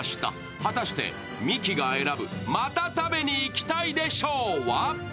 果たしてミキが選ぶ、また食べに行きたいで賞は？